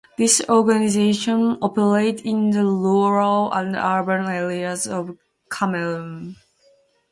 This organisation operates in the rural and urban areas of Cameroon.